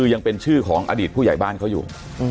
ยังเป็นชื่อของอดีตผู้ใหญ่บ้านเขาอยู่